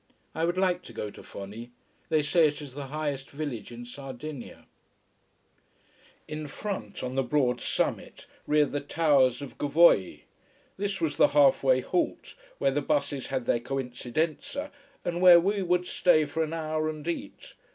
I would like to go to Fonni. They say it is the highest village in Sardinia. In front, on the broad summit, reared the towers of Gavoi. This was the half way halt, where the buses had their coincidenza, and where we would stay for an hour and eat.